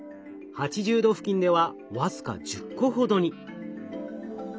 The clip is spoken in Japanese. ８０℃付近では僅か１０個ほどに。